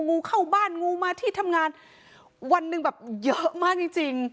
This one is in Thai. งูเข้าบ้านงูมาที่ทำงานวันหนึ่งแบบเยอะมากจริงจริง